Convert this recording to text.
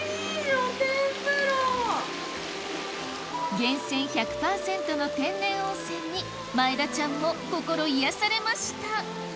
源泉１００％の天然温泉に前田ちゃんも心癒やされました